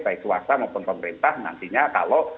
baik swasta maupun pemerintah nantinya kalau